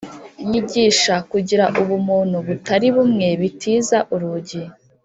Nyigishbkugira ubuntu butari bumwe bitiza urugi